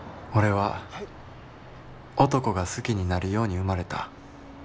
「俺は男が好きになるように生まれた。